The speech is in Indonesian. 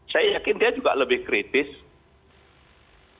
saya yakin dia juga akan bertahan